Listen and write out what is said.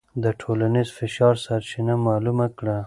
د ټولنیز فشار سرچینه معلومه کړه.